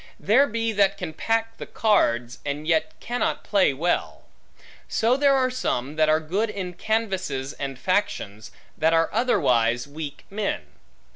There be, that can pack the cards, and yet cannot play well; so there are some that are good in canvasses and factions, that are otherwise weak men.